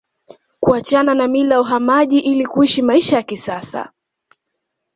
Kuachana na mila ya uhamaji ili kuishi maisha ya kisasa